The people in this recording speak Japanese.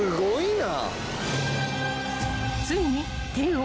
すごいな。